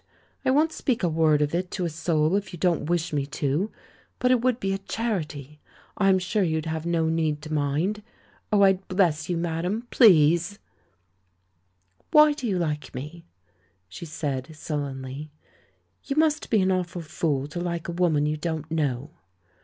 I won't speak a word of it to a soul if you don't wish me to ; but it would be a charity — I'm sure you'd have no need to mind. Oh, I'd bless you, madame! Please 1" "Why do you like me?" she said sullenly. "You must be an awful fool to like a woman you don't know